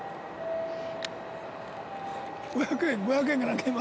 ５００円５００円がなんか今。